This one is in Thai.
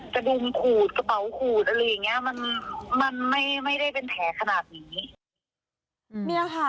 กระดูกขูดกระเป๋าขูดมันไม่ได้เป็นแผลขนาดนี้